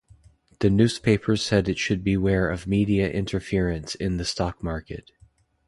The newspaper said it should beware of media interference in the stock market.